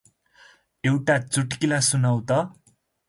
एउटा चुट्किला सुनाउ त ।